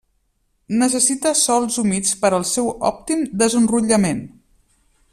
Necessita sòls humits per al seu òptim desenrotllament.